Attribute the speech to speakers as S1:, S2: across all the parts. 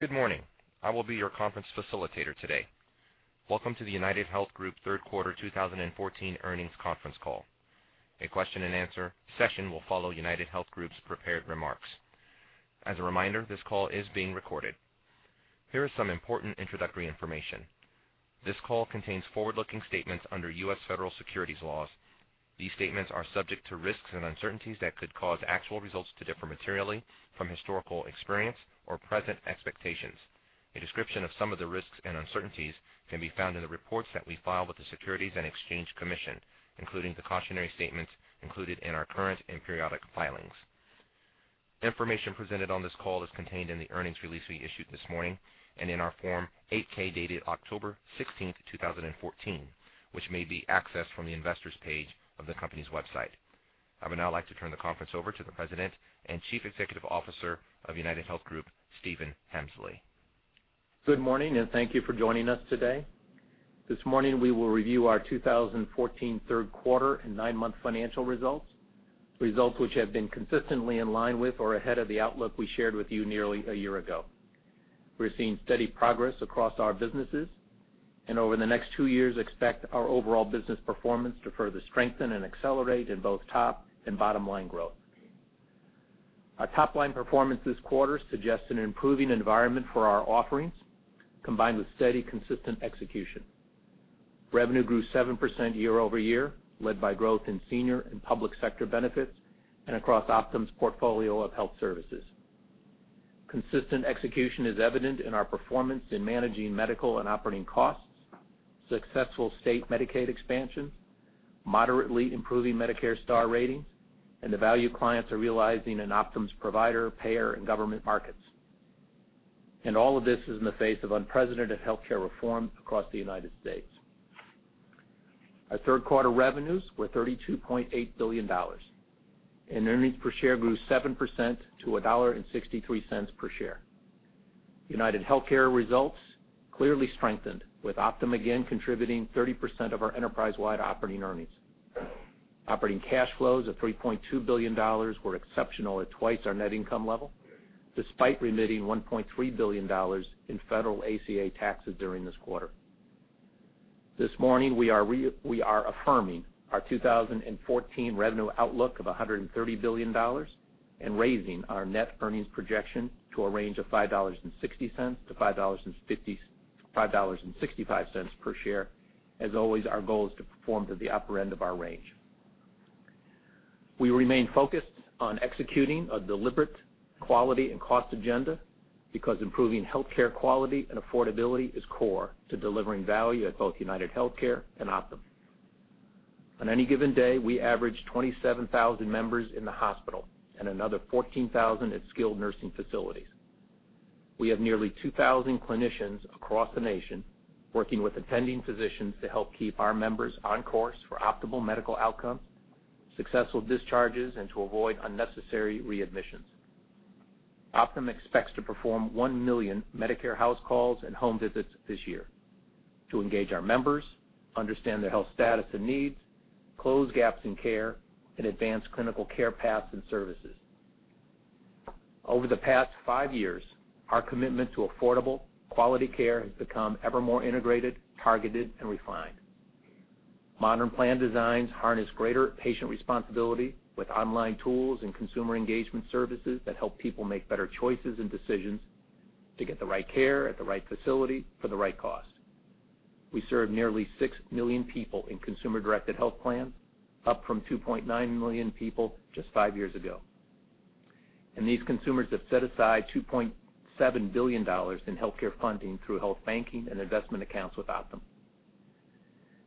S1: Good morning. I will be your conference facilitator today. Welcome to the UnitedHealth Group third quarter 2014 earnings conference call. A question and answer session will follow UnitedHealth Group's prepared remarks. As a reminder, this call is being recorded. Here is some important introductory information. This call contains forward-looking statements under U.S. federal securities laws. These statements are subject to risks and uncertainties that could cause actual results to differ materially from historical experience or present expectations. A description of some of the risks and uncertainties can be found in the reports that we file with the Securities and Exchange Commission, including the cautionary statements included in our current and periodic filings. Information presented on this call is contained in the earnings release we issued this morning and in our Form 8-K, dated October 16th, 2014, which may be accessed from the investors page of the company's website. I would now like to turn the conference over to the President and Chief Executive Officer of UnitedHealth Group, Stephen Hemsley.
S2: Good morning. Thank you for joining us today. This morning, we will review our 2014 third quarter and nine-month financial results which have been consistently in line with or ahead of the outlook we shared with you nearly a year ago. We're seeing steady progress across our businesses. Over the next two years, expect our overall business performance to further strengthen and accelerate in both top and bottom-line growth. Our top-line performance this quarter suggests an improving environment for our offerings, combined with steady, consistent execution. Revenue grew 7% year-over-year, led by growth in senior and public sector benefits and across Optum's portfolio of health services. Consistent execution is evident in our performance in managing medical and operating costs, successful state Medicaid expansion, moderately improving Medicare star ratings, and the value clients are realizing in Optum's provider, payer, and government markets. All of this is in the face of unprecedented healthcare reform across the United States. Our third quarter revenues were $32.8 billion. Earnings per share grew 7% to $1.63 per share. UnitedHealthcare results clearly strengthened, with Optum again contributing 30% of our enterprise-wide operating earnings. Operating cash flows of $3.2 billion were exceptional at twice our net income level, despite remitting $1.3 billion in federal ACA taxes during this quarter. This morning, we are affirming our 2014 revenue outlook of $130 billion and raising our net earnings projection to a range of $5.60-$5.65 per share. As always, our goal is to perform to the upper end of our range. We remain focused on executing a deliberate quality and cost agenda because improving healthcare quality and affordability is core to delivering value at both UnitedHealthcare and Optum. On any given day, we average 27,000 members in the hospital and another 14,000 at skilled nursing facilities. We have nearly 2,000 clinicians across the nation working with attending physicians to help keep our members on course for optimal medical outcomes, successful discharges, and to avoid unnecessary readmissions. Optum expects to perform 1 million Medicare house calls and home visits this year to engage our members, understand their health status and needs, close gaps in care, and advance clinical care paths and services. Over the past 5 years, our commitment to affordable quality care has become ever more integrated, targeted, and refined. Modern plan designs harness greater patient responsibility with online tools and consumer engagement services that help people make better choices and decisions to get the right care at the right facility for the right cost. We serve nearly 6 million people in consumer-directed health plans, up from 2.9 million people just 5 years ago. These consumers have set aside $2.7 billion in healthcare funding through health banking and investment accounts with Optum.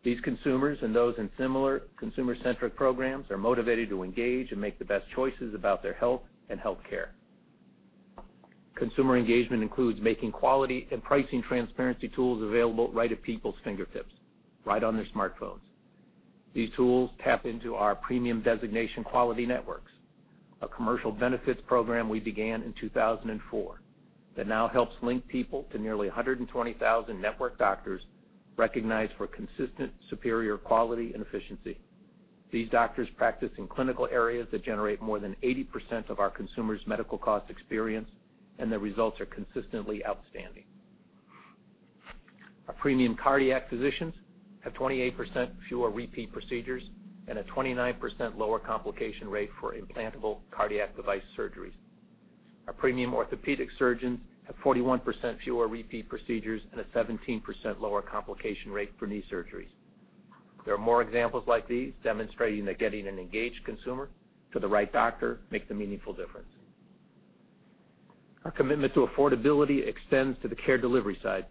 S2: These consumers and those in similar consumer-centric programs are motivated to engage and make the best choices about their health and healthcare. Consumer engagement includes making quality and pricing transparency tools available right at people's fingertips, right on their smartphones. These tools tap into our premium designation quality networks, a commercial benefits program we began in 2004 that now helps link people to nearly 120,000 network doctors recognized for consistent superior quality and efficiency. These doctors practice in clinical areas that generate more than 80% of our consumers' medical cost experience, and their results are consistently outstanding. Our premium cardiac physicians have 28% fewer repeat procedures and a 29% lower complication rate for implantable cardiac device surgeries. Our premium orthopedic surgeons have 41% fewer repeat procedures and a 17% lower complication rate for knee surgeries. There are more examples like these demonstrating that getting an engaged consumer to the right doctor makes a meaningful difference. Our commitment to affordability extends to the care delivery side.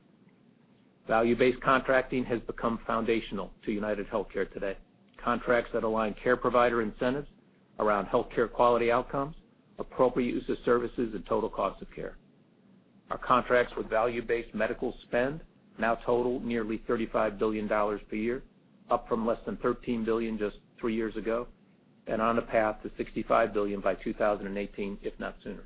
S2: Value-based contracting has become foundational to UnitedHealthcare today. Contracts that align care provider incentives around healthcare quality outcomes, appropriate use of services, and total cost of care. Our contracts with value-based medical spend now total nearly $35 billion per year, up from less than $13 billion just 3 years ago, and on a path to $65 billion by 2018, if not sooner.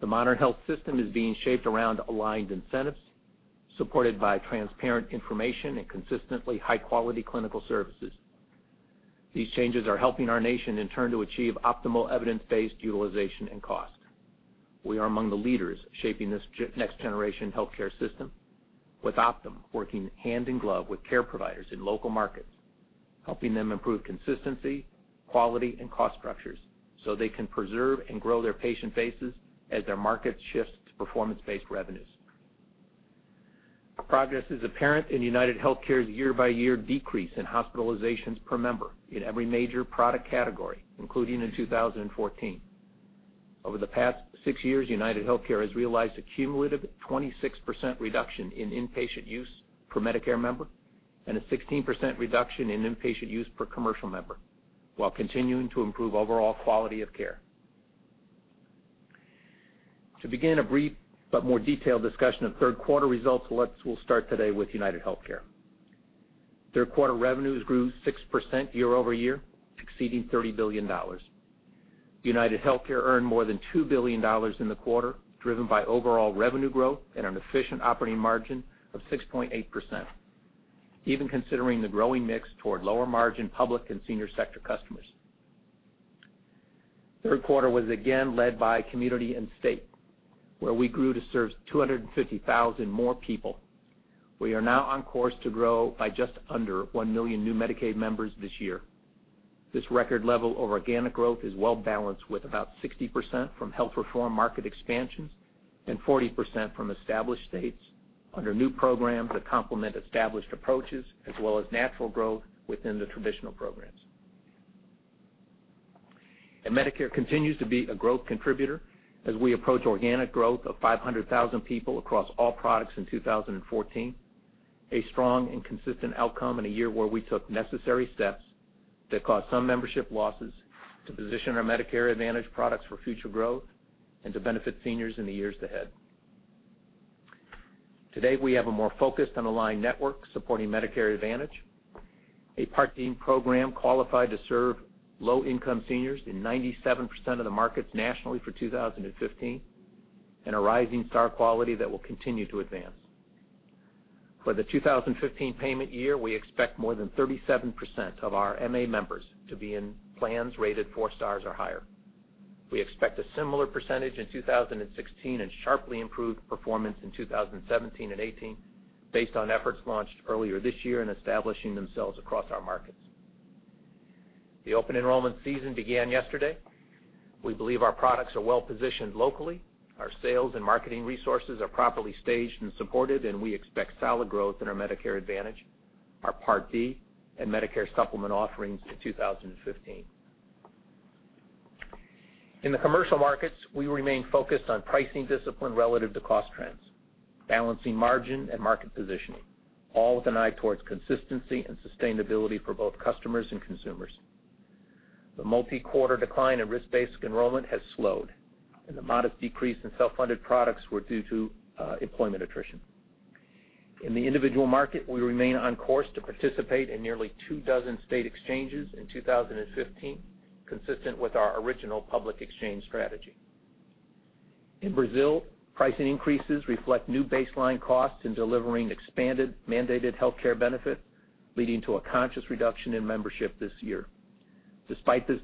S2: The modern health system is being shaped around aligned incentives, supported by transparent information and consistently high-quality clinical services. These changes are helping our nation in turn to achieve optimal evidence-based utilization and cost. We are among the leaders shaping this next generation healthcare system with Optum working hand in glove with care providers in local markets, helping them improve consistency, quality, and cost structures so they can preserve and grow their patient bases as their market shifts to performance-based revenues. Our progress is apparent in UnitedHealthcare's year-by-year decrease in hospitalizations per member in every major product category, including in 2014. Over the past 6 years, UnitedHealthcare has realized a cumulative 26% reduction in inpatient use per Medicare member and a 16% reduction in inpatient use per commercial member while continuing to improve overall quality of care. To begin a brief but more detailed discussion of third quarter results, we'll start today with UnitedHealthcare. Third quarter revenues grew 6% year over year, exceeding $30 billion. UnitedHealthcare earned more than $2 billion in the quarter, driven by overall revenue growth and an efficient operating margin of 6.8%, even considering the growing mix toward lower margin public and senior sector customers. Third quarter was again led by community and state, where we grew to serve 250,000 more people. We are now on course to grow by just under 1 million new Medicaid members this year. This record level of organic growth is well balanced with about 60% from health reform market expansions and 40% from established states under new programs that complement established approaches as well as natural growth within the traditional programs. Medicare continues to be a growth contributor as we approach organic growth of 500,000 people across all products in 2014, a strong and consistent outcome in a year where we took necessary steps that caused some membership losses to position our Medicare Advantage products for future growth and to benefit seniors in the years ahead. Today, we have a more focused and aligned network supporting Medicare Advantage, a Part D program qualified to serve low-income seniors in 97% of the markets nationally for 2015, and a rising star quality that will continue to advance. For the 2015 payment year, we expect more than 37% of our MA members to be in plans rated four stars or higher. We expect a similar percentage in 2016 and sharply improved performance in 2017 and 2018 based on efforts launched earlier this year and establishing themselves across our markets. The open enrollment season began yesterday. We believe our products are well-positioned locally. Our sales and marketing resources are properly staged and supported, and we expect solid growth in our Medicare Advantage, our Part D, and Medicare Supplement offerings in 2015. In the commercial markets, we remain focused on pricing discipline relative to cost trends, balancing margin and market positioning, all with an eye towards consistency and sustainability for both customers and consumers. The multi-quarter decline in risk-based enrollment has slowed, and the modest decrease in self-funded products were due to employment attrition. In the individual market, we remain on course to participate in nearly two dozen state exchanges in 2015, consistent with our original public exchange strategy. In Brazil, pricing increases reflect new baseline costs in delivering expanded mandated healthcare benefits, leading to a conscious reduction in membership this year. Despite this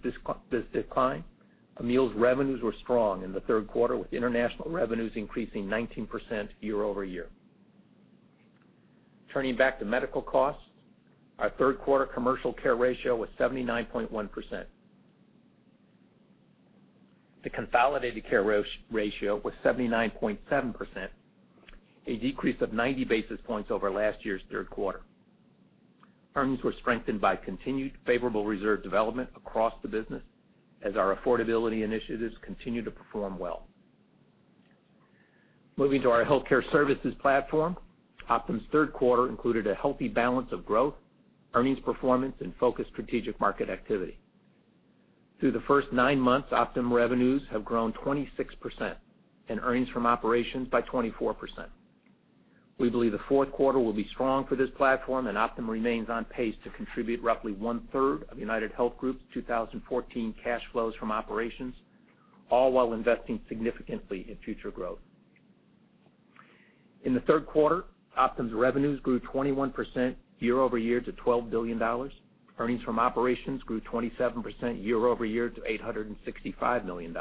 S2: decline, Amil's revenues were strong in the third quarter, with international revenues increasing 19% year-over-year. Turning back to medical costs, our third quarter commercial care ratio was 79.1%. The consolidated care ratio was 79.7%, a decrease of 90 basis points over last year's third quarter. Earnings were strengthened by continued favorable reserve development across the business as our affordability initiatives continue to perform well. Moving to our healthcare services platform, Optum's third quarter included a healthy balance of growth, earnings performance, and focused strategic market activity. Through the first nine months, Optum revenues have grown 26% and earnings from operations by 24%. We believe the fourth quarter will be strong for this platform, and Optum remains on pace to contribute roughly one-third of UnitedHealth Group's 2014 cash flows from operations, all while investing significantly in future growth. In the third quarter, Optum's revenues grew 21% year-over-year to $12 billion. Earnings from operations grew 27% year-over-year to $865 million.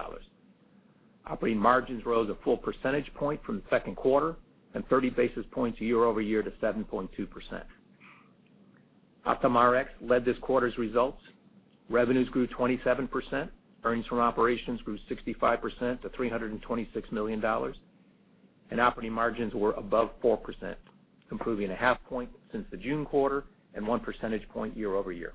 S2: Operating margins rose a full percentage point from the second quarter and 30 basis points year-over-year to 7.2%. OptumRx led this quarter's results. Revenues grew 27%. Earnings from operations grew 65% to $326 million, and operating margins were above 4%, improving a half point since the June quarter and one percentage point year-over-year.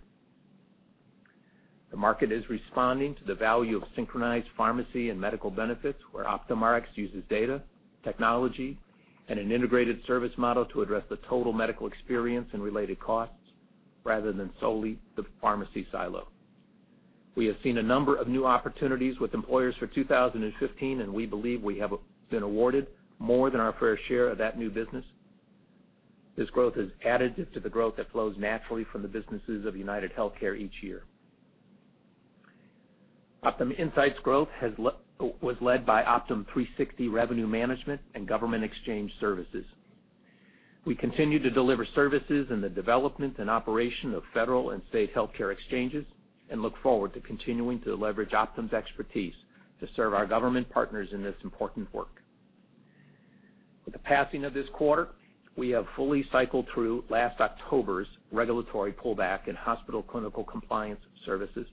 S2: The market is responding to the value of synchronized pharmacy and medical benefits, where OptumRx uses data, technology, and an integrated service model to address the total medical experience and related costs rather than solely the pharmacy silo. We have seen a number of new opportunities with employers for 2015, and we believe we have been awarded more than our fair share of that new business. This growth is additive to the growth that flows naturally from the businesses of UnitedHealthcare each year. Optum Insight growth was led by Optum360 revenue management and government exchange services. We continue to deliver services in the development and operation of federal and state healthcare exchanges, and look forward to continuing to leverage Optum's expertise to serve our government partners in this important work. With the passing of this quarter, we have fully cycled through last October's regulatory pullback in hospital clinical compliance services.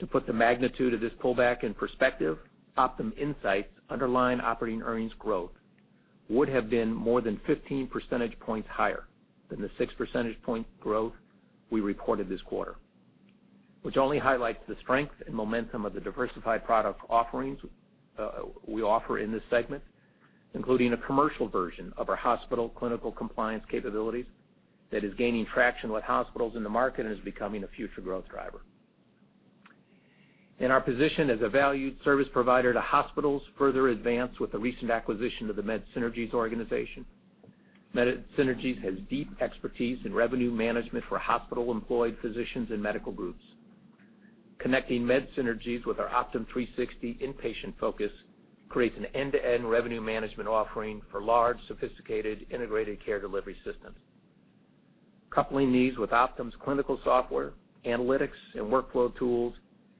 S2: To put the magnitude of this pullback in perspective, Optum Insight's underlying operating earnings growth would have been more than 15 percentage points higher than the six percentage point growth we reported this quarter, which only highlights the strength and momentum of the diversified product offerings we offer in this segment, including a commercial version of our hospital clinical compliance capabilities that is gaining traction with hospitals in the market and is becoming a future growth driver. Our position as a valued service provider to hospitals further advanced with the recent acquisition of the MedSynergies organization. MedSynergies has deep expertise in revenue management for hospital-employed physicians and medical groups. Connecting MedSynergies with our Optum360 inpatient focus creates an end-to-end revenue management offering for large, sophisticated, integrated care delivery systems. Coupling these with Optum's clinical software, analytics, and workflow tools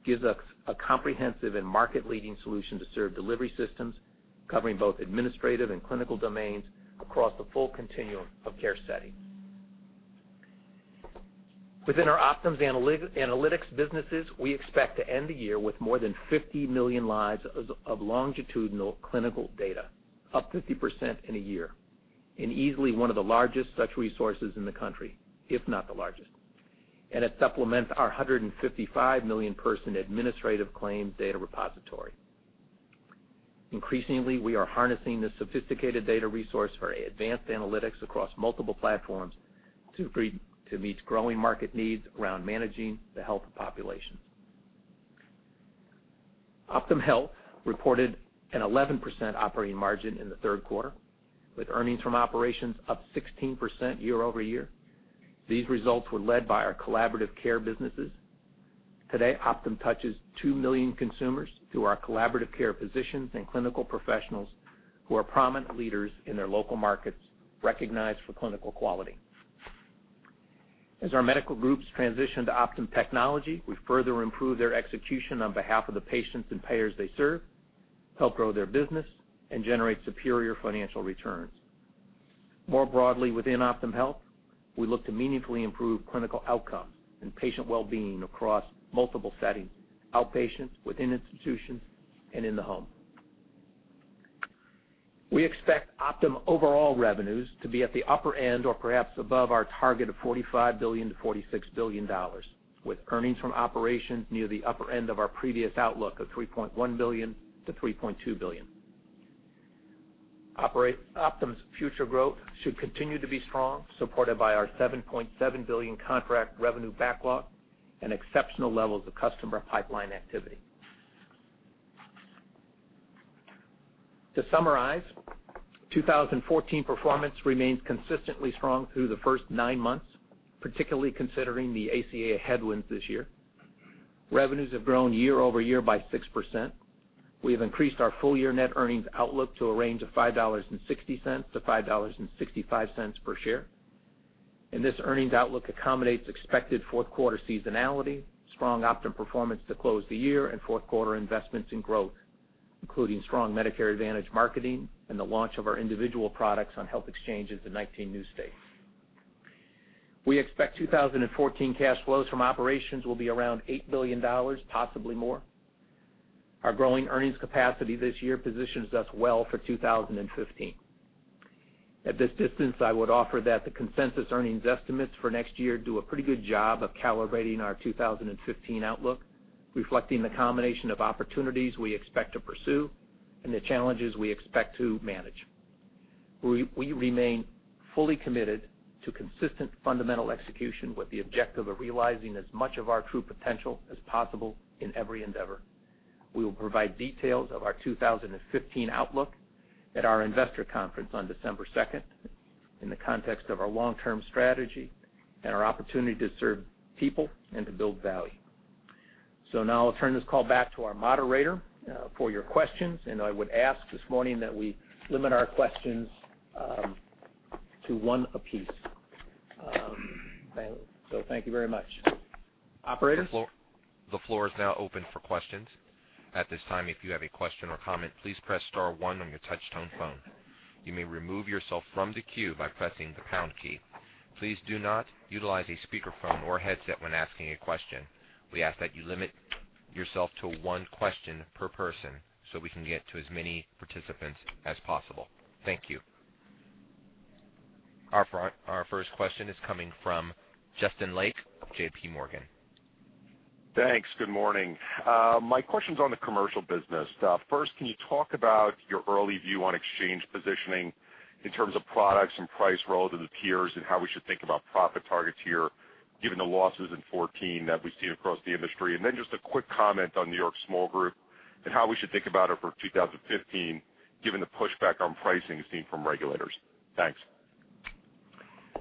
S2: gives us a comprehensive and market-leading solution to serve delivery systems, covering both administrative and clinical domains across the full continuum of care settings. Within our Optum's analytics businesses, we expect to end the year with more than 50 million lives of longitudinal clinical data, up 50% in a year, and easily one of the largest such resources in the country, if not the largest. It supplements our 155-million-person administrative claims data repository. Increasingly, we are harnessing this sophisticated data resource for advanced analytics across multiple platforms to meet growing market needs around managing the health of populations. OptumHealth reported an 11% operating margin in the third quarter, with earnings from operations up 16% year-over-year. These results were led by our collaborative care businesses. Today, Optum touches 2 million consumers through our collaborative care physicians and clinical professionals who are prominent leaders in their local markets, recognized for clinical quality. As our medical groups transition to Optum technology, we further improve their execution on behalf of the patients and payers they serve, help grow their business, and generate superior financial returns. More broadly within OptumHealth, we look to meaningfully improve clinical outcomes and patient well-being across multiple settings, outpatient, within institutions, and in the home. We expect Optum overall revenues to be at the upper end or perhaps above our target of $45 billion-$46 billion, with earnings from operations near the upper end of our previous outlook of $3.1 billion-$3.2 billion. Optum's future growth should continue to be strong, supported by our $7.7 billion contract revenue backlog and exceptional levels of customer pipeline activity. To summarize, 2014 performance remains consistently strong through the first nine months, particularly considering the ACA headwinds this year. Revenues have grown year-over-year by 6%. We have increased our full-year net earnings outlook to a range of $5.60-$5.65 per share. This earnings outlook accommodates expected fourth quarter seasonality, strong Optum performance to close the year, and fourth quarter investments in growth, including strong Medicare Advantage marketing and the launch of our individual products on health exchanges in 19 new states. We expect 2014 cash flows from operations will be around $8 billion, possibly more. Our growing earnings capacity this year positions us well for 2015. At this distance, I would offer that the consensus earnings estimates for next year do a pretty good job of calibrating our 2015 outlook, reflecting the combination of opportunities we expect to pursue and the challenges we expect to manage. We remain fully committed to consistent fundamental execution with the objective of realizing as much of our true potential as possible in every endeavor. We will provide details of our 2015 outlook at our investor conference on December second, in the context of our long-term strategy and our opportunity to serve people and to build value. Now I'll turn this call back to our moderator for your questions, and I would ask this morning that we limit our questions to one apiece. Thank you very much. Operator?
S1: The floor is now open for questions. At this time, if you have a question or comment, please press star one on your touch-tone phone. You may remove yourself from the queue by pressing the pound key. Please do not utilize a speakerphone or headset when asking a question. We ask that you limit yourself to one question per person so we can get to as many participants as possible. Thank you. Our first question is coming from Justin Lake of J.P. Morgan.
S3: Thanks. Good morning. My question's on the commercial business. First, can you talk about your early view on exchange positioning in terms of products and price relative to peers, and how we should think about profit targets here, given the losses in 2014 that we've seen across the industry? Then just a quick comment on N.Y. small group and how we should think about it for 2015, given the pushback on pricing seen from regulators. Thanks.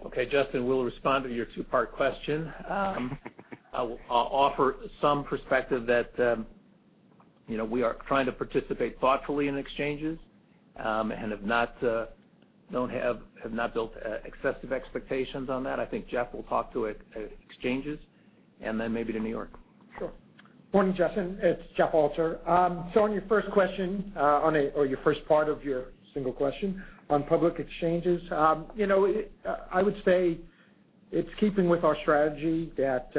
S2: Okay, Justin, we'll respond to your two-part question. I will offer some perspective that we are trying to participate thoughtfully in exchanges, and have not built excessive expectations on that. I think Jeff will talk to exchanges, then maybe to N.Y.
S4: Sure. Morning, Justin, it's Jeff Alter. On your first question, or your first part of your single question on public exchanges. I would say it's keeping with our strategy that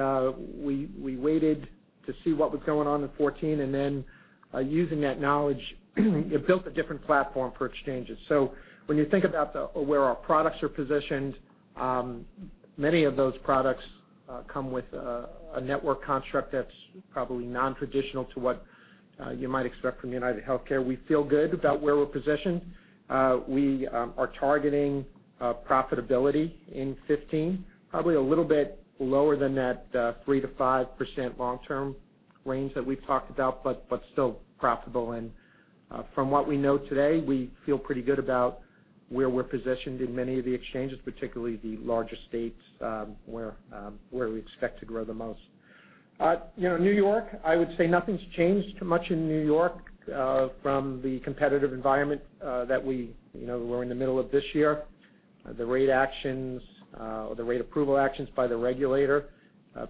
S4: we waited to see what was going on in 2014, then using that knowledge, built a different platform for exchanges. When you think about where our products are positioned, many of those products come with a network construct that's probably nontraditional to what you might expect from UnitedHealthcare. We feel good about where we're positioned. We are targeting profitability in 2015, probably a little bit lower than that 3%-5% long-term range that we've talked about, but still profitable. From what we know today, we feel pretty good about where we're positioned in many of the exchanges, particularly the larger states, where we expect to grow the most. N.Y., I would say nothing's changed much in N.Y. from the competitive environment that we're in the middle of this year. The rate actions, or the rate approval actions by the regulator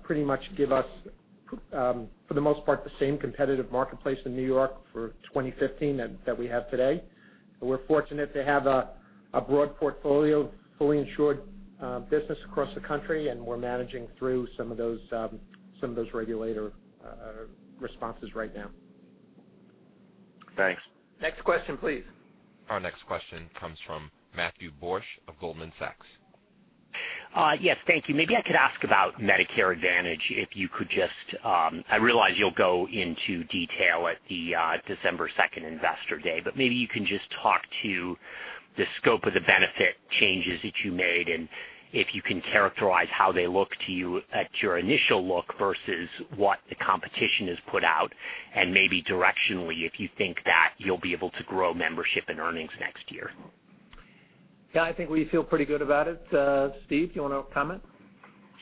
S4: pretty much give us, for the most part, the same competitive marketplace in N.Y. for 2015 that we have today. We're fortunate to have a broad portfolio of fully insured business across the country, and we're managing through some of those regulator responses right now.
S3: Thanks.
S2: Next question, please.
S1: Our next question comes from Matthew Borsch of Goldman Sachs.
S5: Yes, thank you. Maybe I could ask about Medicare Advantage. I realize you'll go into detail at the December 2nd investor day, but maybe you can just talk to the scope of the benefit changes that you made, and if you can characterize how they look to you at your initial look versus what the competition has put out, and maybe directionally, if you think that you'll be able to grow membership and earnings next year.
S2: Yeah, I think we feel pretty good about it. Steve, do you want to comment?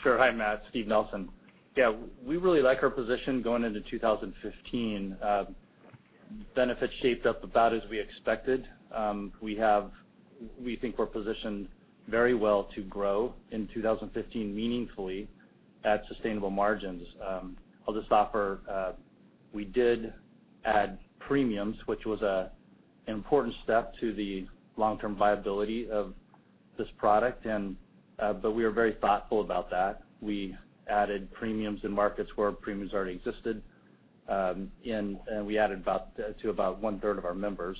S6: Sure. Hi, Matt. Steve Nelson. We really like our position going into 2015. Benefits shaped up about as we expected. We think we're positioned very well to grow in 2015 meaningfully at sustainable margins. I'll just offer, we did add premiums, which was an important step to the long-term viability of this product, but we are very thoughtful about that. We added premiums in markets where premiums already existed, and we added to about one-third of our members.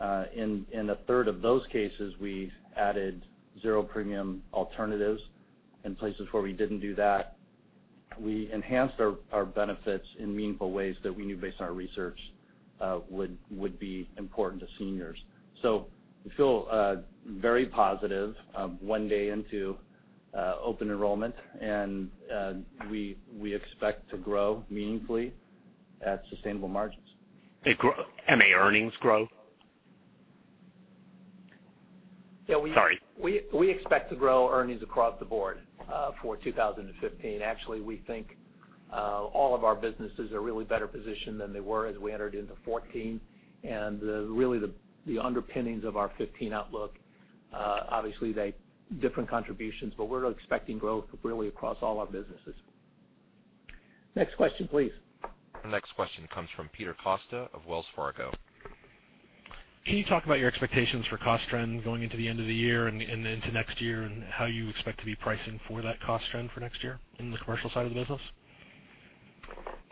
S6: In a third of those cases, we added zero premium alternatives. In places where we didn't do that, we enhanced our benefits in meaningful ways that we knew, based on our research, would be important to seniors. We feel very positive one day into open enrollment, and we expect to grow meaningfully at sustainable margins.
S5: MA earnings grow? Sorry.
S2: We expect to grow earnings across the board for 2015. Actually, we think all of our businesses are really better positioned than they were as we entered into 2014. Really, the underpinnings of our 2015 outlook, obviously they're different contributions, we're expecting growth really across all our businesses. Next question, please.
S1: The next question comes from Peter Costa of Wells Fargo.
S7: Can you talk about your expectations for cost trends going into the end of the year and into next year, and how you expect to be pricing for that cost trend for next year in the commercial side of the business?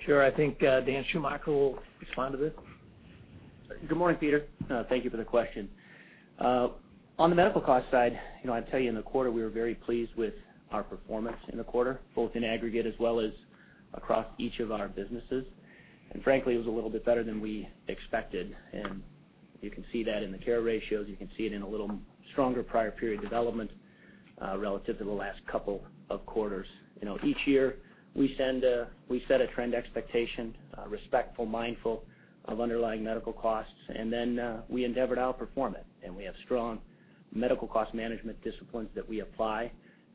S2: Sure. I think Dan Schumacher will respond to this.
S8: Good morning, Peter. Thank you for the question. On the medical cost side, I'd tell you in the quarter, we were very pleased with our performance in the quarter, both in aggregate as well as across each of our businesses. Frankly, it was a little bit better than we expected, and you can see that in the care ratios. You can see it in a little stronger prior period development relative to the last couple of quarters. Each year we set a trend expectation, respectful, mindful of underlying medical costs, then we endeavor to outperform it. We have strong medical cost management disciplines that we apply,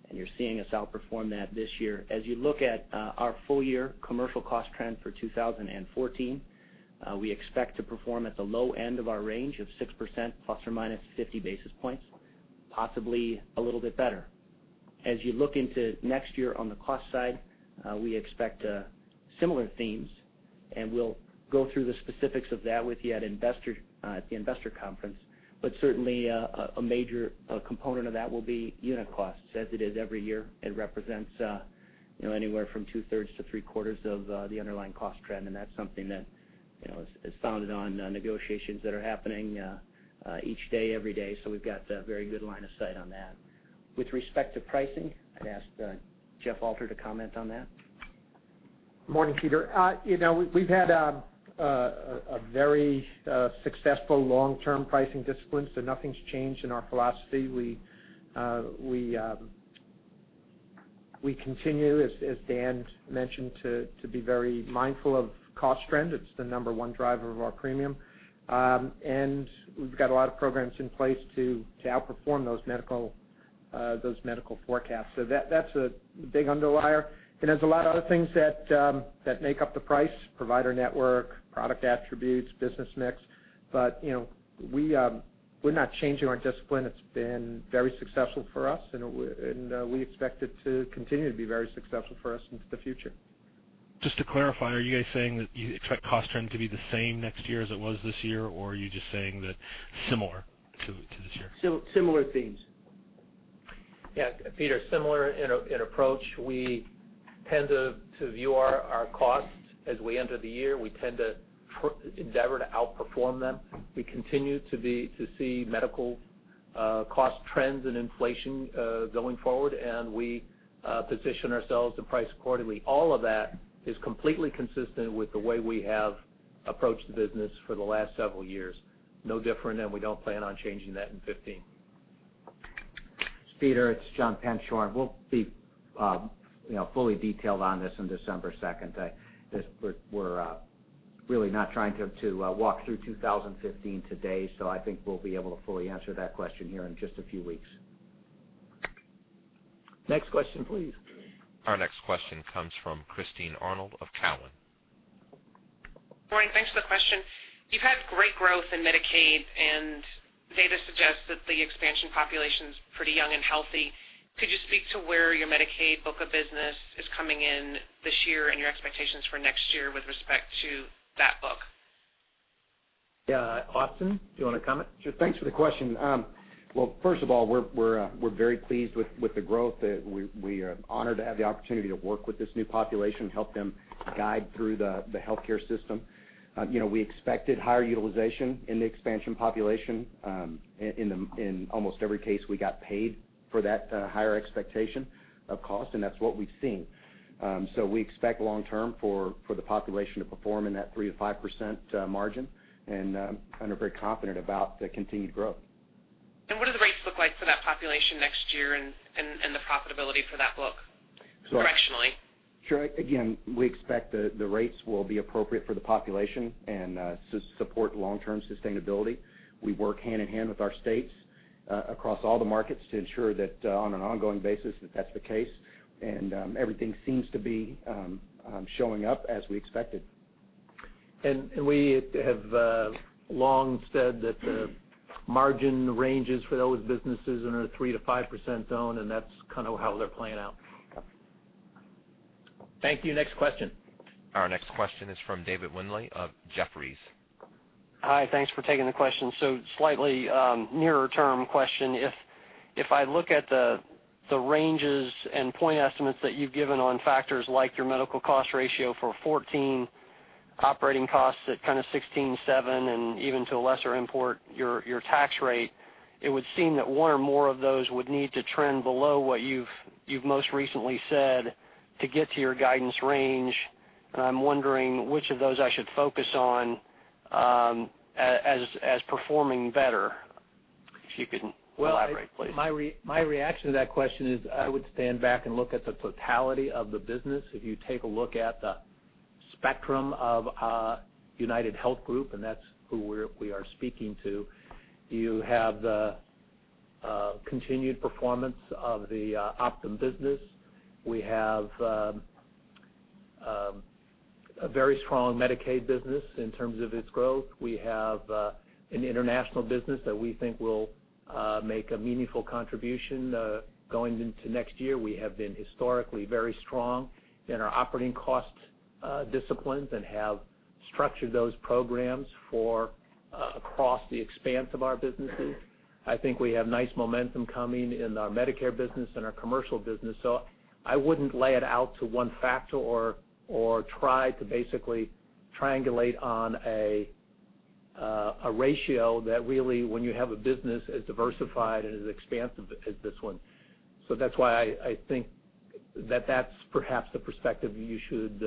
S8: and you're seeing us outperform that this year. As you look at our full year commercial cost trend for 2014, we expect to perform at the low end of our range of 6% ±50 basis points, possibly a little bit better. As you look into next year on the cost side, we expect similar themes, we'll go through the specifics of that with you at the investor conference. Certainly, a major component of that will be unit costs, as it is every year. It represents anywhere from two-thirds to three-quarters of the underlying cost trend, that's something that is founded on negotiations that are happening each day, every day. We've got a very good line of sight on that. With respect to pricing, I'd ask Jeff Alter to comment on that.
S4: Morning, Peter. We've had a very successful long-term pricing discipline, so nothing's changed in our philosophy. We continue, as Dan mentioned, to be very mindful of cost trend. It's the number one driver of our premium. We've got a lot of programs in place to outperform those medical forecasts. That's a big underlier. There's a lot of other things that make up the price, provider network, product attributes, business mix. We're not changing our discipline. It's been very successful for us, and we expect it to continue to be very successful for us into the future.
S7: Just to clarify, are you guys saying that you expect cost trend to be the same next year as it was this year, or are you just saying that similar to this year?
S2: Similar themes. Yes, Peter, similar in approach. We tend to view our costs as we enter the year. We tend to endeavor to outperform them. We continue to see medical cost trends and inflation going forward. We position ourselves to price accordingly. All of that is completely consistent with the way we have approached the business for the last several years. No different. We don't plan on changing that in 2015. Peter, it's John Rex. We'll be fully detailed on this on December 2nd. We're really not trying to walk through 2015 today. I think we'll be able to fully answer that question here in just a few weeks. Next question, please.
S1: Our next question comes from Christine Arnold of Cowen.
S9: Morning. Thanks for the question. You've had great growth in Medicaid. Data suggests that the expansion population's pretty young and healthy. Could you speak to where your Medicaid book of business is coming in this year and your expectations for next year with respect to that book?
S2: Yeah. Austin, do you want to comment?
S10: Sure. Thanks for the question. Well, first of all, we're very pleased with the growth. We are honored to have the opportunity to work with this new population, help them guide through the healthcare system. We expected higher utilization in the expansion population. In almost every case, we got paid for that higher expectation of cost. That's what we've seen. We expect long term for the population to perform in that 3%-5% margin. Are very confident about the continued growth.
S9: What do the rates look like for that population next year and the profitability for that book directionally?
S10: Sure. Again, we expect the rates will be appropriate for the population and support long-term sustainability. We work hand in hand with our states across all the markets to ensure that on an ongoing basis that that's the case, and everything seems to be showing up as we expected.
S2: We have long said that the margin ranges for those businesses are in a 3%-5% zone, and that's how they're playing out. Thank you. Next question.
S1: Our next question is from David Windley of Jefferies.
S11: Thanks for taking the question. Slightly nearer term question. If I look at the ranges and point estimates that you've given on factors like your medical cost ratio for 2014 operating costs at kind of 16.7%, and even to a lesser import, your tax rate, it would seem that one or more of those would need to trend below what you've most recently said to get to your guidance range. I'm wondering which of those I should focus on as performing better. If you can elaborate, please.
S2: Well, my reaction to that question is I would stand back and look at the totality of the business. If you take a look at the spectrum of UnitedHealth Group, and that's who we are speaking to, you have the continued performance of the Optum business. We have a very strong Medicaid business in terms of its growth. We have an international business that we think will make a meaningful contribution going into next year. We have been historically very strong in our operating cost disciplines and have structured those programs for across the expanse of our businesses. I think we have nice momentum coming in our Medicare business and our commercial business. I wouldn't lay it out to one factor or try to basically triangulate on a ratio that really when you have a business as diversified and as expansive as this one. That's why I think that's perhaps the perspective you should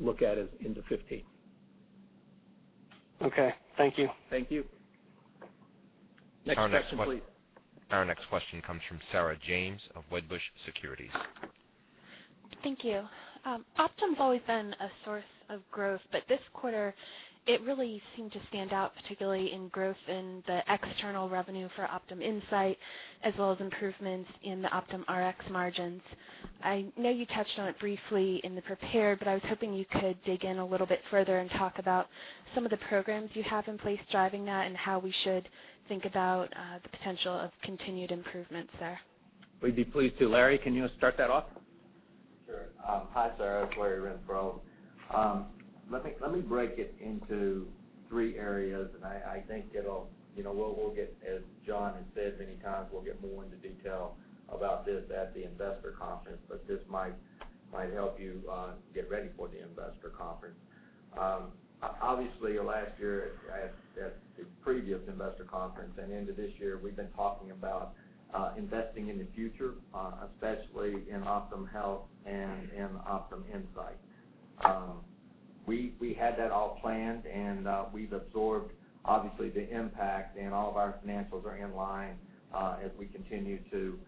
S2: look at as into 2015.
S11: Okay. Thank you.
S2: Thank you. Next question, please.
S1: Our next question comes from Sarah James of Wedbush Securities.
S12: Thank you. Optum's always been a source of growth, but this quarter it really seemed to stand out, particularly in growth in the external revenue for Optum Insight as well as improvements in the Optum Rx margins. I know you touched on it briefly in the prepared, but I was hoping you could dig in a little bit further and talk about some of the programs you have in place driving that and how we should think about the potential of continued improvements there.
S2: We'd be pleased to. Larry, can you start that off?
S13: Sure. Hi, Sarah. It's Larry Renfro. I think as Jon has said many times, we'll get more into detail about this at the investor conference. This might help you get ready for the investor conference. Obviously, last year at the previous investor conference and into this year, we've been talking about investing in the future, especially in OptumHealth and in Optum Insight. We had that all planned. We've absorbed, obviously, the impact, and all of our financials are in line as we continue to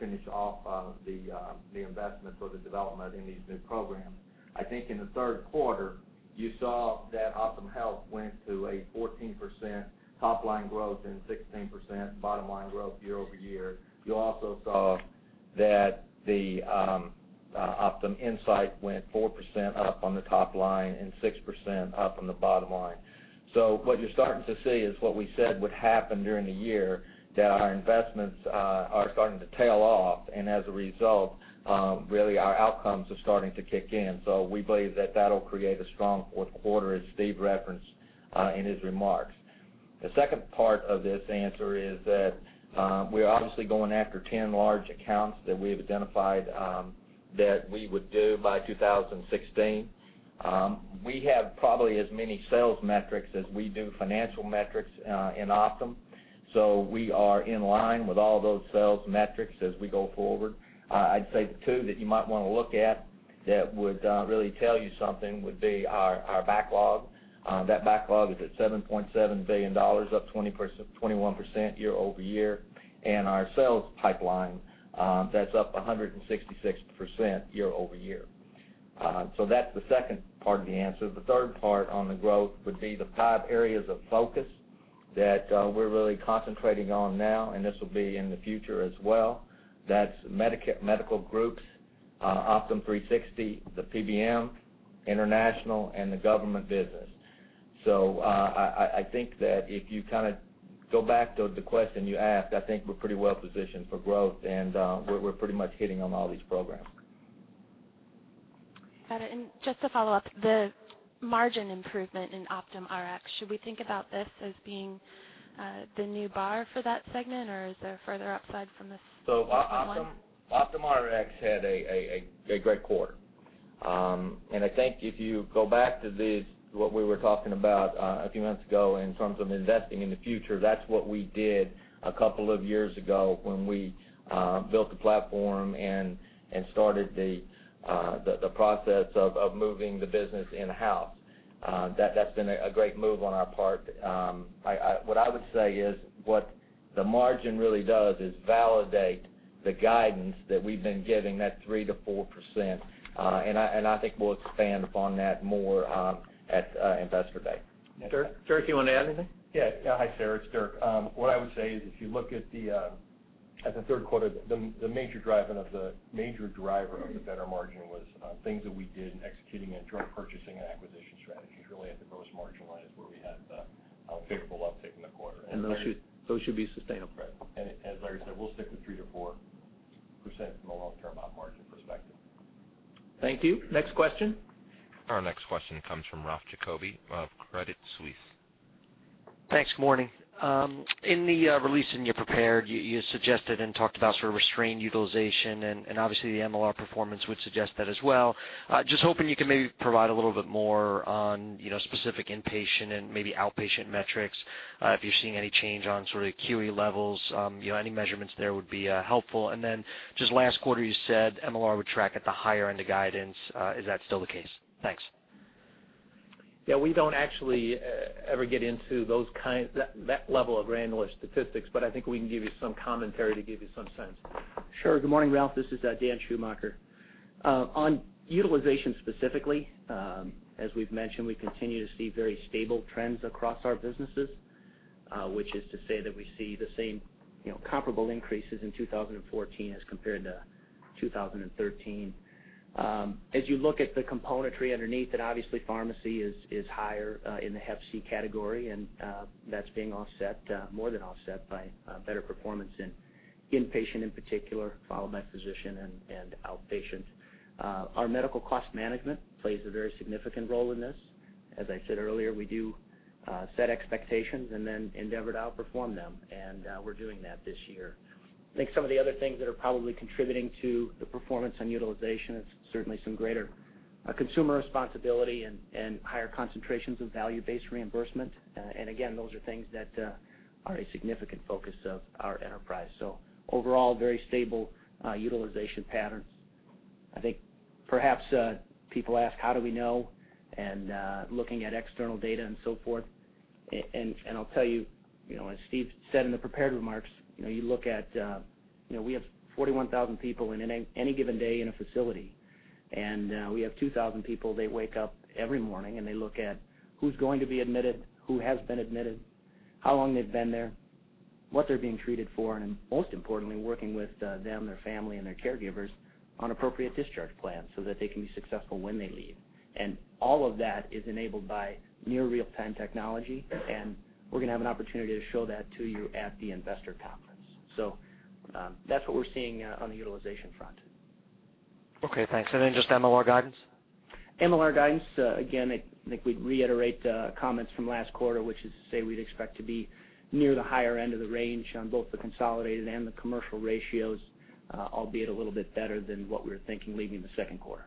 S13: finish off the investment for the development in these new programs. I think in the third quarter, you saw that OptumHealth went to a 14% top-line growth and 16% bottom-line growth year-over-year. You also saw that Optum Insight went 4% up on the top line and 6% up on the bottom line. What you're starting to see is what we said would happen during the year, that our investments are starting to tail off. As a result, really, our outcomes are starting to kick in. We believe that that'll create a strong fourth quarter, as Steve referenced in his remarks. The second part of this answer is that we're obviously going after 10 large accounts that we've identified that we would do by 2016. We have probably as many sales metrics as we do financial metrics in Optum. We are in line with all those sales metrics as we go forward. I'd say the two that you might want to look at that would really tell you something would be our backlog. That backlog is at $7.7 billion, up 21% year-over-year. Our sales pipeline, that's up 166% year-over-year. That's the second part of the answer. The third part on the growth would be the five areas of focus that we're really concentrating on now. This will be in the future as well. That's medical groups, Optum360, the PBM, international, and the government business. I think that if you go back to the question you asked, I think we're pretty well positioned for growth. We're pretty much hitting on all these programs.
S12: Got it. Just to follow up, the margin improvement in Optum Rx, should we think about this as being the new bar for that segment, or is there further upside from this-
S13: Optum Rx had a great quarter. I think if you go back to what we were talking about a few months ago in terms of investing in the future, that's what we did a couple of years ago when we built the platform and started the process of moving the business in-house. That's been a great move on our part. What I would say is what the margin really does is validate the guidance that we've been giving, that 3%-4%, I think we'll expand upon that more at Investor Day.
S2: Dirk, do you want to add anything?
S14: Yeah. Hi, Sarah, it's Dirk. What I would say is, if you look at the third quarter, the major driver of the better margin was things that we did in executing in drug purchasing and acquisition strategies, really at the gross margin line is where we had the favorable uptick in the quarter.
S2: Those should be sustainable.
S14: Right. As Larry said, we'll stick with 3%-4% from a long-term op margin perspective.
S2: Thank you. Next question.
S1: Our next question comes from Ralph Giacobbe of Credit Suisse.
S15: Thanks. Morning. In the release, in your prepared, you suggested and talked about restrained utilization, and obviously, the MLR performance would suggest that as well. Just hoping you can maybe provide a little bit more on specific inpatient and maybe outpatient metrics, if you're seeing any change on QE levels. Any measurements there would be helpful. Last quarter, you said MLR would track at the higher end of guidance. Is that still the case? Thanks.
S2: We don't actually ever get into that level of granular statistics, but I think we can give you some commentary to give you some sense.
S8: Sure. Good morning, Ralph. This is Dan Schumacher. On utilization specifically, as we've mentioned, we continue to see very stable trends across our businesses, which is to say that we see the same comparable increases in 2014 as compared to 2013. You look at the componentry underneath it, obviously, pharmacy is higher in the hep C category, and that's being more than offset by better performance in inpatient, in particular, followed by physician and outpatient. Our medical cost management plays a very significant role in this. I said earlier, we do set expectations and then endeavor to outperform them, and we're doing that this year. Some of the other things that are probably contributing to the performance on utilization is certainly some greater consumer responsibility and higher concentrations of value-based reimbursement. Again, those are things that are a significant focus of our enterprise. Overall, very stable utilization patterns. Perhaps people ask, how do we know? Looking at external data and so forth. I'll tell you, as Steve said in the prepared remarks, we have 41,000 people in any given day in a facility. We have 2,000 people, they wake up every morning, and they look at who's going to be admitted, who has been admitted, how long they've been there, what they're being treated for, and most importantly, working with them, their family, and their caregivers on appropriate discharge plans so that they can be successful when they leave. All of that is enabled by near real-time technology, and we're going to have an opportunity to show that to you at the investor conference. That's what we're seeing on the utilization front.
S15: Okay, thanks. Just MLR guidance?
S8: MLR guidance, again, I think we'd reiterate the comments from last quarter, which is to say we'd expect to be near the higher end of the range on both the consolidated and the commercial ratios, albeit a little bit better than what we were thinking leaving the second quarter.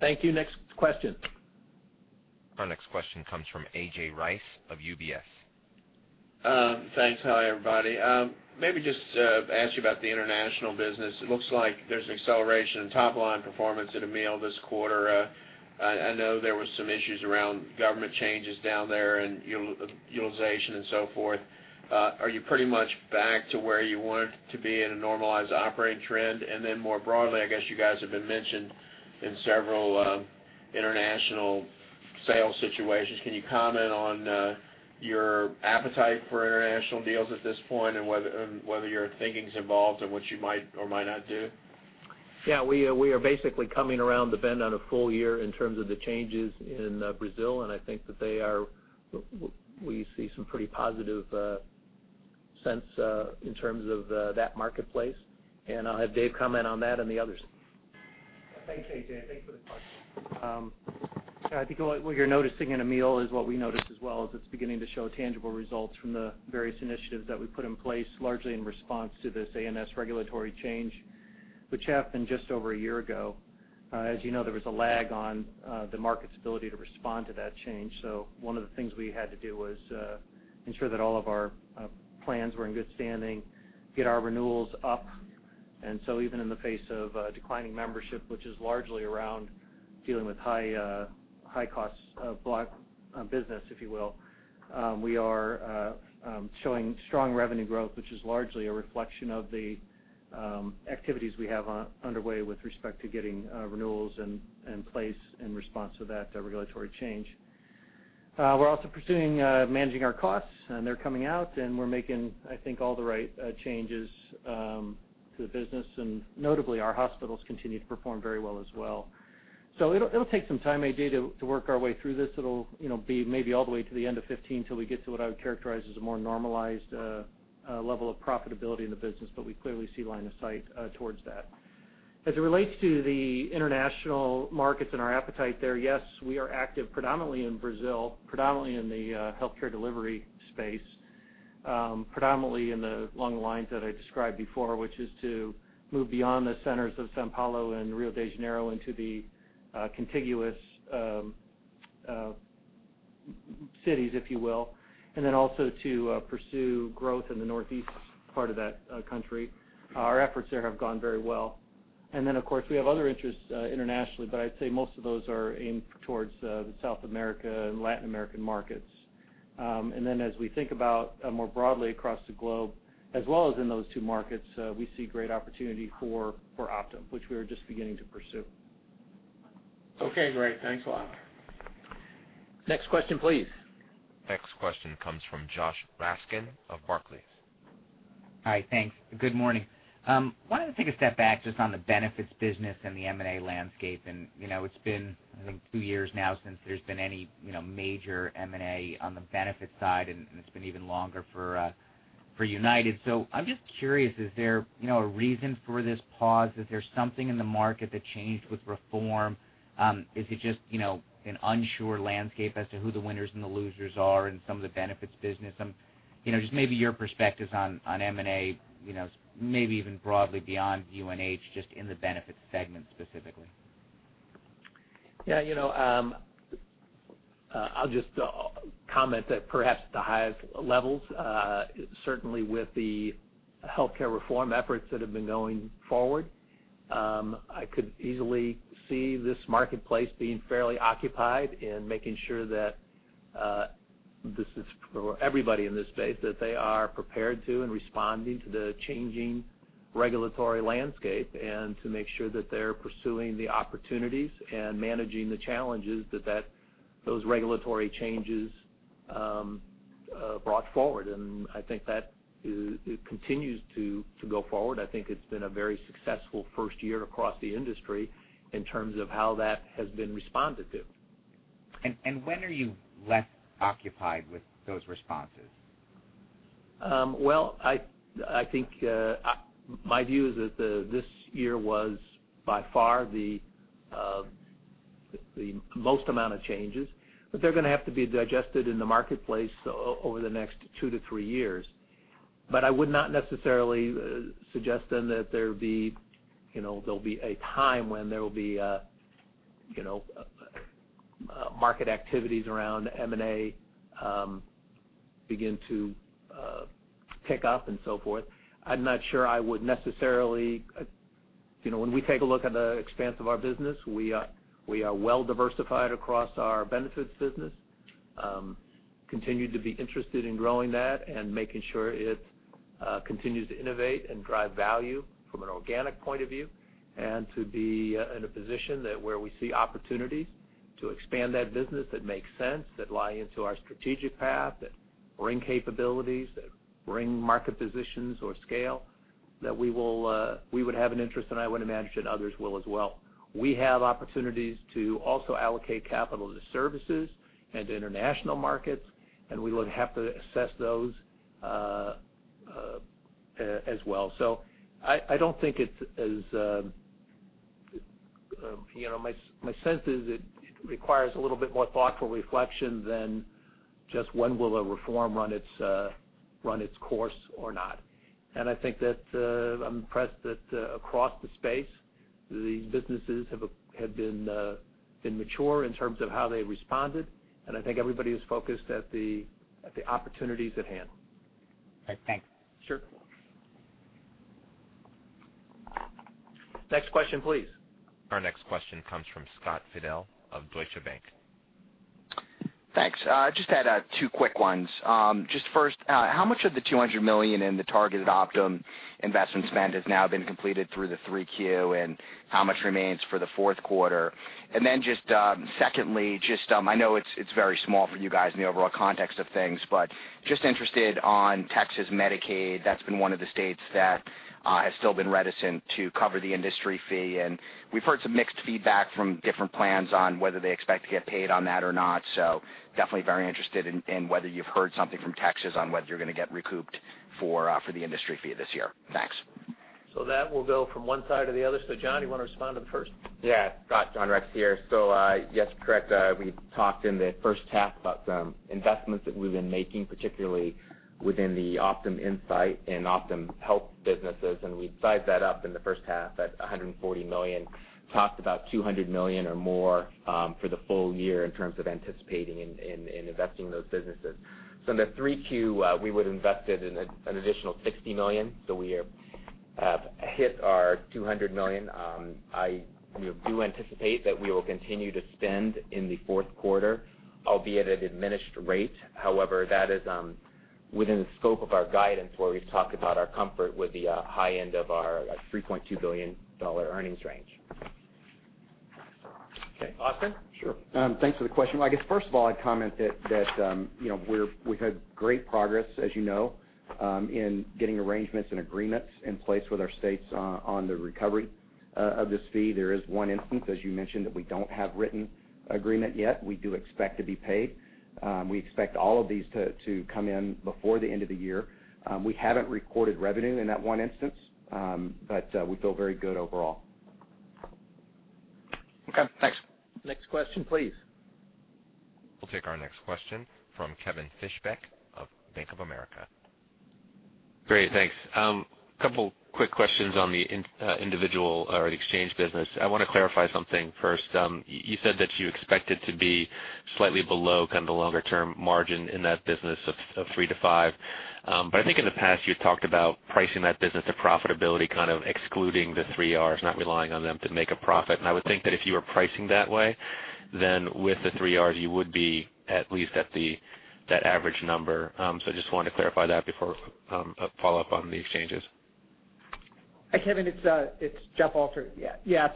S2: Thank you. Next question.
S1: Our next question comes from A.J. Rice of UBS.
S16: Thanks. Hi, everybody. Maybe just ask you about the international business. It looks like there's an acceleration in top-line performance at Amil this quarter. I know there were some issues around government changes down there and utilization and so forth. Are you pretty much back to where you want to be in a normalized operating trend? More broadly, I guess you guys have been mentioned in several international sales situations. Can you comment on your appetite for international deals at this point, and whether your thinking's involved in what you might or might not do?
S2: We are basically coming around the bend on a full year in terms of the changes in Brazil, and I think that we see some pretty positive sense in terms of that marketplace. I'll have Dave comment on that and the others.
S17: Thanks, A.J. Thanks for the question. I think what you're noticing in Amil is what we noticed as well, is it's beginning to show tangible results from the various initiatives that we put in place, largely in response to this ANS regulatory change, which happened just over 1 year ago. As you know, there was a lag on the market's ability to respond to that change. One of the things we had to do was ensure that all of our plans were in good standing, get our renewals up. Even in the face of declining membership, which is largely around dealing with high costs of business, if you will, we are showing strong revenue growth, which is largely a reflection of the activities we have underway with respect to getting renewals in place in response to that regulatory change. We're also pursuing managing our costs, and they're coming out, and we're making, I think, all the right changes to the business. Notably, our hospitals continue to perform very well as well. It'll take some time, A.J., to work our way through this. It'll be maybe all the way to the end of 2015 till we get to what I would characterize as a more normalized level of profitability in the business. We clearly see line of sight towards that. As it relates to the international markets and our appetite there, yes, we are active predominantly in Brazil, predominantly in the healthcare delivery space, predominantly along the lines that I described before, which is to move beyond the centers of São Paulo and Rio de Janeiro into the contiguous cities, if you will. Also to pursue growth in the northeast part of that country. Our efforts there have gone very well. Of course, we have other interests internationally, I'd say most of those are aimed towards the South America and Latin American markets. As we think about more broadly across the globe, as well as in those two markets, we see great opportunity for Optum, which we are just beginning to pursue.
S16: Okay, great. Thanks a lot.
S2: Next question, please.
S1: Next question comes from Joshua Raskin of Barclays.
S18: Hi, thanks. Good morning. Why don't I take a step back just on the benefits business and the M&A landscape. It's been, I think, two years now since there's been any major M&A on the benefits side, and it's been even longer for United. I'm just curious, is there a reason for this pause? Is there something in the market that changed with reform? Is it just an unsure landscape as to who the winners and the losers are in some of the benefits business? Just maybe your perspectives on M&A, maybe even broadly beyond UNH, just in the benefits segment specifically.
S2: Yeah. I'll just comment that perhaps at the highest levels, certainly with the healthcare reform efforts that have been going forward, I could easily see this marketplace being fairly occupied and making sure that this is for everybody in this space, that they are prepared to and responding to the changing regulatory landscape, and to make sure that they're pursuing the opportunities and managing the challenges that those regulatory changes brought forward. I think that it continues to go forward. I think it's been a very successful first year across the industry in terms of how that has been responded to.
S18: When are you less occupied with those responses?
S2: Well, I think my view is that this year was by far the most amount of changes, but they're going to have to be digested in the marketplace over the next two to three years. I would not necessarily suggest then that there'll be a time when there will be market activities around M&A begin to pick up and so forth. I'm not sure I would necessarily when we take a look at the expanse of our business, we are well diversified across our benefits business. Continue to be interested in growing that and making sure it continues to innovate and drive value from an organic point of view. To be in a position that where we see opportunities to expand that business that makes sense, that lie into our strategic path, that bring capabilities, that bring market positions or scale, that we would have an interest, and I would imagine others will as well. We have opportunities to also allocate capital to services and to international markets, and we would have to assess those as well. My sense is it requires a little bit more thoughtful reflection than just when will a reform run its course or not? I think that I'm impressed that across the space, the businesses have been mature in terms of how they responded, and I think everybody is focused at the opportunities at hand.
S18: Right. Thanks. Sure. Next question, please.
S1: Our next question comes from Scott Fidel of Deutsche Bank.
S19: Thanks. Had two quick ones. First, how much of the $200 million in the targeted Optum investment spend has now been completed through the 3Q, and how much remains for the fourth quarter? Secondly, I know it's very small for you guys in the overall context of things, but interested on Texas Medicaid. That's been one of the states that has still been reticent to cover the industry fee, and we've heard some mixed feedback from different plans on whether they expect to get paid on that or not. Definitely very interested in whether you've heard something from Texas on whether you're going to get recouped for the industry fee this year. Thanks.
S2: That will go from one side to the other. Jon, you want to respond to the first?
S20: Yeah. Scott, Jon Rex here. Yes, correct. We talked in the first half about the investments that we've been making, particularly within the Optum Insight and OptumHealth businesses, and we sized that up in the first half at $140 million. Talked about $200 million or more for the full year in terms of anticipating in investing in those businesses. In the 3Q, we would've invested an additional $60 million, so we have hit our $200 million. I do anticipate that we will continue to spend in the fourth quarter, albeit at a diminished rate. However, that is within the scope of our guidance where we've talked about our comfort with the high end of our $3.2 billion earnings range.
S2: Okay. Austin?
S10: Sure. Thanks for the question. Well, I guess first of all, I'd comment that we've had great progress, as you know, in getting arrangements and agreements in place with our states on the recovery of this fee. There is one instance, as you mentioned, that we don't have written agreement yet. We do expect to be paid. We expect all of these to come in before the end of the year. We haven't recorded revenue in that one instance, but we feel very good overall.
S19: Okay, thanks.
S2: Next question please.
S1: We'll take our next question from Kevin Fischbeck of Bank of America.
S21: Great, thanks. Couple quick questions on the individual or the exchange business. I want to clarify something first. You said that you expected to be slightly below the longer-term margin in that business of 3%-5%. I think in the past, you talked about pricing that business to profitability, kind of excluding the Three R's, not relying on them to make a profit. I would think that if you were pricing that way, then with the Three R's, you would be at least at that average number. Just wanted to clarify that before a follow-up on the exchanges.
S4: Kevin, it's Jeff Alter. Yeah.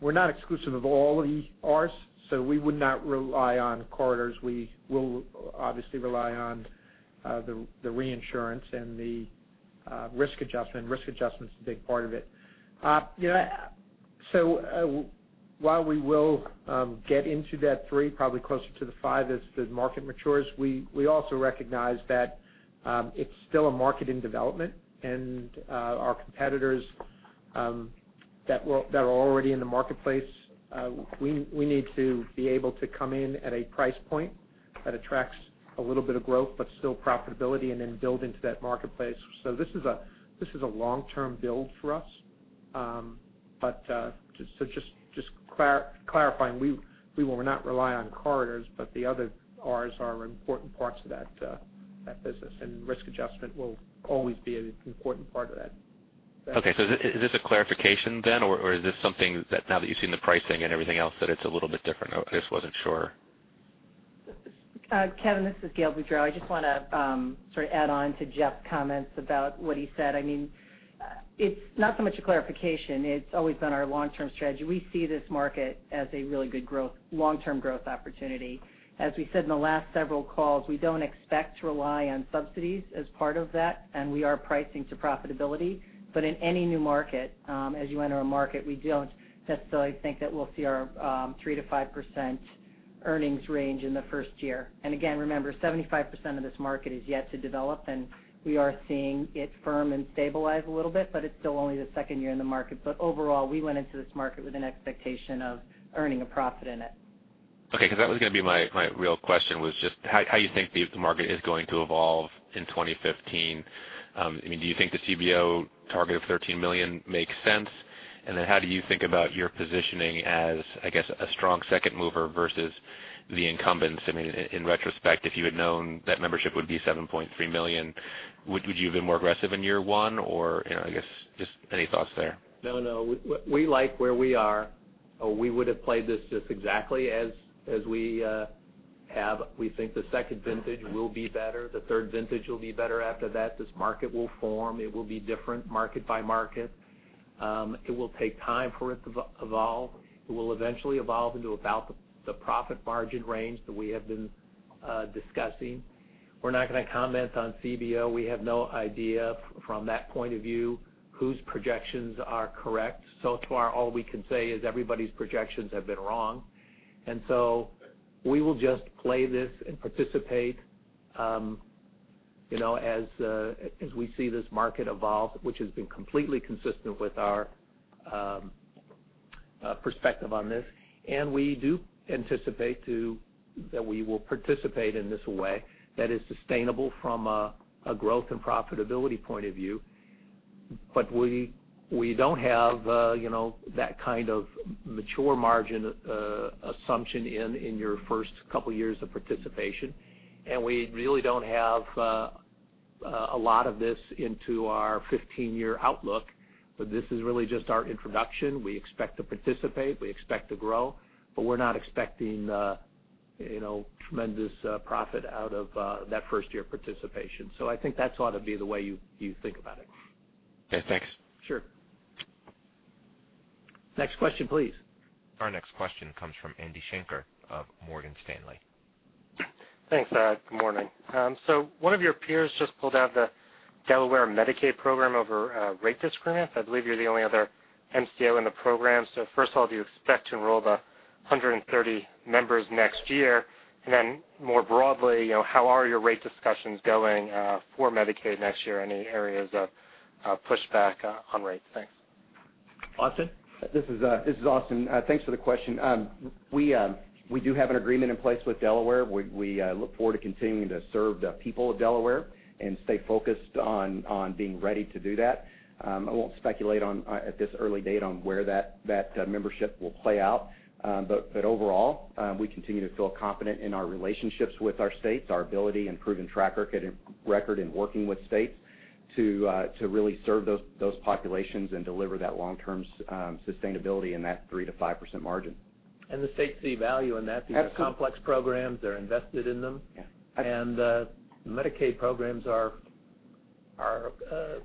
S4: We're not exclusive of all the R's, we would not rely on corridors. We will obviously rely on the reinsurance and the risk adjustment. Risk adjustment's a big part of it. While we will get into that 3%, probably closer to the 5% as the market matures, we also recognize that it's still a market in development, and our competitors that are already in the marketplace, we need to be able to come in at a price point that attracts a little bit of growth, but still profitability, and then build into that marketplace. This is a long-term build for us. Just clarifying, we will not rely on corridors, but the other R's are important parts of that business, and risk adjustment will always be an important part of that.
S21: Is this a clarification then, or is this something that now that you've seen the pricing and everything else, that it's a little bit different? I just wasn't sure.
S22: Kevin, this is Gail Boudreaux. I just want to sort of add on to Jeff's comments about what he said. It's not so much a clarification. It's always been our long-term strategy. We see this market as a really good long-term growth opportunity. As we said in the last several calls, we don't expect to rely on subsidies as part of that, we are pricing to profitability. In any new market, as you enter a market, we don't necessarily think that we'll see our 3%-5% earnings range in the first year. Again, remember, 75% of this market is yet to develop, we are seeing it firm and stabilize a little bit, but it's still only the second year in the market. Overall, we went into this market with an expectation of earning a profit in it.
S21: Okay, that was going to be my real question was just how you think the market is going to evolve in 2015. Do you think the CBO target of 13 million makes sense? How do you think about your positioning as, I guess, a strong second mover versus the incumbents? In retrospect, if you had known that membership would be 7.3 million, would you have been more aggressive in year one, or I guess just any thoughts there?
S2: No, we like where we are. We would have played this just exactly as we have. We think the second vintage will be better. The third vintage will be better after that. This market will form. It will be different market by market. It will take time for it to evolve. It will eventually evolve into about the profit margin range that we have been discussing. We're not going to comment on CBO. We have no idea from that point of view whose projections are correct. Far, all we can say is everybody's projections have been wrong, we will just play this and participate as we see this market evolve, which has been completely consistent with our perspective on this. We do anticipate that we will participate in this way that is sustainable from a growth and profitability point of view. We don't have that kind of mature margin assumption in your first couple of years of participation, and we really don't have a lot of this into our 15-year outlook, this is really just our introduction. We expect to participate, we expect to grow. We're not expecting tremendous profit out of that first year of participation. I think that's ought to be the way you think about it.
S21: Okay, thanks.
S2: Sure. Next question, please.
S1: Our next question comes from Andrew Schenker of Morgan Stanley.
S23: Thanks. Good morning. One of your peers just pulled out the Delaware Medicaid program over a rate disagreement. I believe you're the only other MCO in the program. First of all, do you expect to enroll the 130 members next year? Then more broadly, how are your rate discussions going for Medicaid next year? Any areas of pushback on rates? Thanks.
S2: Austin?
S10: This is Austin. Thanks for the question. We do have an agreement in place with Delaware. We look forward to continuing to serve the people of Delaware and stay focused on being ready to do that. I won't speculate at this early date on where that membership will play out. Overall, we continue to feel confident in our relationships with our states, our ability and proven track record in working with states to really serve those populations and deliver that long-term sustainability in that 3%-5% margin.
S2: The states see value in that.
S10: Absolutely.
S2: These are complex programs. They're invested in them.
S10: Yeah.
S2: The Medicaid programs are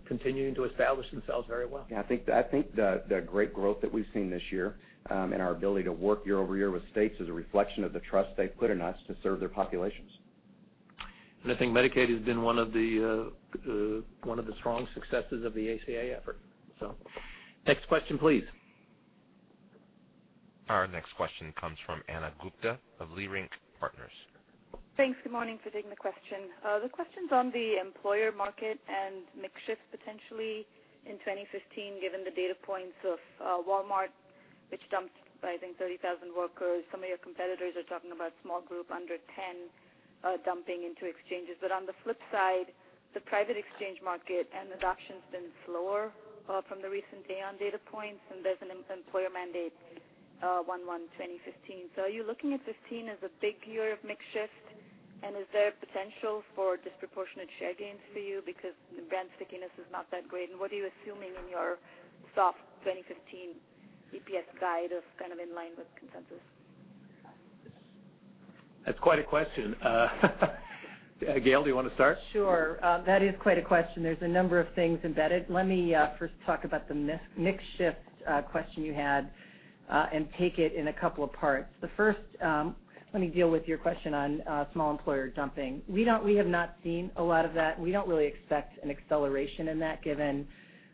S2: continuing to establish themselves very well.
S10: Yeah, I think the great growth that we've seen this year, and our ability to work year-over-year with states is a reflection of the trust they've put in us to serve their populations.
S2: I think Medicaid has been one of the strong successes of the ACA effort. Next question, please.
S1: Our next question comes from Ana Gupte of Leerink Partners.
S24: Thanks. Good morning, appreciate the question. The question's on the employer market and mix shift potentially in 2015, given the data points of Walmart, which dumped, I think, 30,000 workers. Some of your competitors are talking about small group under 10 dumping into exchanges. On the flip side, the private exchange market and adoption's been slower from the recent Aon data points, and there's an employer mandate 1/1/2015. Are you looking at 2015 as a big year of mix shift? Is there potential for disproportionate share gains for you because the brand stickiness is not that great? What are you assuming in your soft 2015 EPS guide of kind of in line with consensus?
S2: That's quite a question. Gail, do you want to start?
S22: Sure. That is quite a question. There is a number of things embedded. Let me first talk about the mix shift question you had, and take it in a couple of parts. The first, let me deal with your question on small employer dumping. We have not seen a lot of that, and we do not really expect an acceleration in that given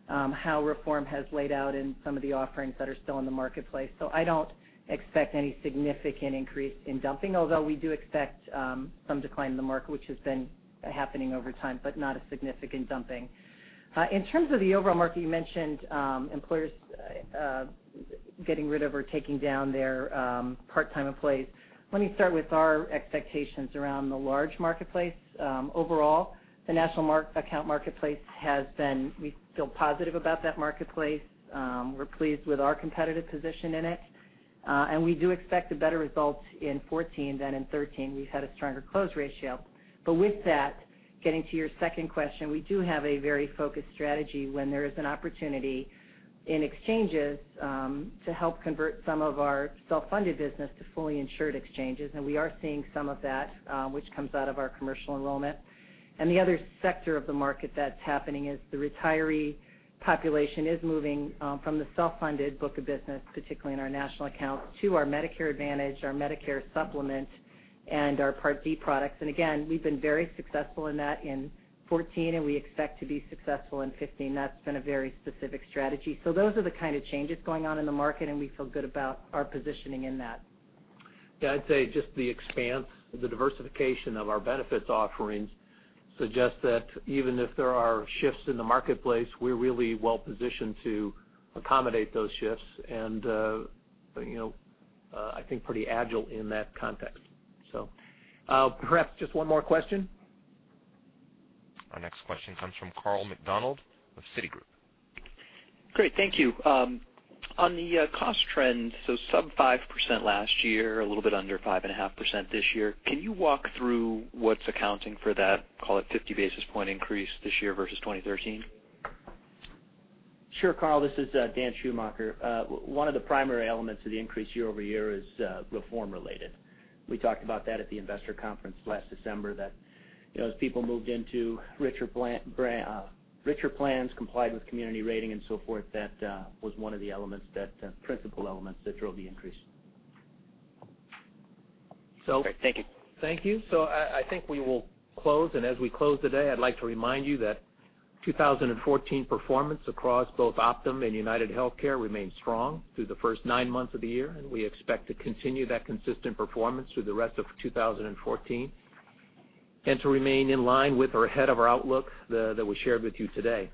S22: how reform has laid out in some of the offerings that are still in the marketplace. I do not expect any significant increase in dumping, although we do expect some decline in the market, which has been happening over time, but not a significant dumping. In terms of the overall market, you mentioned employers getting rid of or taking down their part-time employees. Let me start with our expectations around the large marketplace. Overall, the national account marketplace, we feel positive about that marketplace. We are pleased with our competitive position in it. We do expect a better result in 2014 than in 2013. We have had a stronger close ratio. With that, getting to your second question, we do have a very focused strategy when there is an opportunity in exchanges to help convert some of our self-funded business to fully insured exchanges. We are seeing some of that, which comes out of our commercial enrollment. The other sector of the market that is happening is the retiree population is moving from the self-funded book of business, particularly in our national accounts, to our Medicare Advantage, our Medicare Supplement, and our Part D products. Again, we have been very successful in that in 2014, and we expect to be successful in 2015. That is been a very specific strategy. Those are the kind of changes going on in the market, and we feel good about our positioning in that.
S2: I would say just the expanse, the diversification of our benefits offerings suggests that even if there are shifts in the marketplace, we are really well positioned to accommodate those shifts and, I think pretty agile in that context. Perhaps just one more question.
S1: Our next question comes from Carl McDonald with Citigroup.
S25: Great. Thank you. On the cost trends, sub 5% last year, a little bit under 5.5% this year. Can you walk through what's accounting for that, call it, 50 basis point increase this year versus 2013?
S8: Sure, Carl. This is Dan Schumacher. One of the primary elements of the increase year-over-year is reform related. We talked about that at the investor conference last December, that as people moved into richer plans, complied with community rating and so forth, that was one of the principal elements that drove the increase.
S25: Great. Thank you.
S2: Thank you. I think we will close. As we close today, I'd like to remind you that 2014 performance across both Optum and UnitedHealthcare remains strong through the first nine months of the year. We expect to continue that consistent performance through the rest of 2014, and to remain in line with or ahead of our outlook that we shared with you today.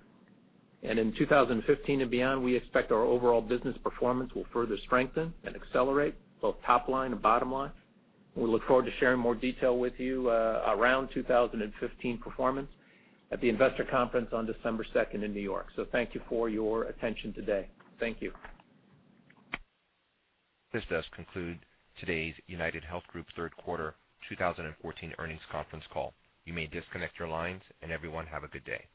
S2: In 2015 and beyond, we expect our overall business performance will further strengthen and accelerate both top line and bottom line. We look forward to sharing more detail with you around 2015 performance at the investor conference on December 2nd in New York. Thank you for your attention today. Thank you.
S1: This does conclude today's UnitedHealth Group third quarter 2014 earnings conference call. You may disconnect your lines. Everyone have a good day.